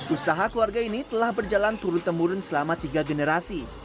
usaha keluarga ini telah berjalan turun temurun selama tiga generasi